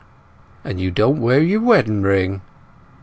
"And you don't wear your wedding ring?"